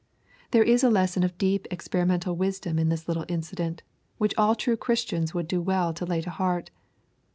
There is a lesson of deep experimental wisdom in this little incident, which all true Christians would do well to lay to heart.